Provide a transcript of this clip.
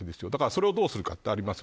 それをどうするかというのがあります。